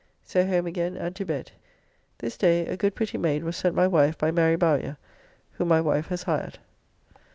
So home again and to bed. This day a good pretty maid was sent my wife by Mary Bowyer, whom my wife has hired.